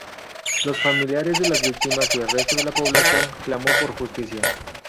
Los familiares de las víctimas y el resto de la población clamó por justicia.